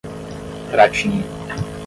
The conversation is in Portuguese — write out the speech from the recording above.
Pratinha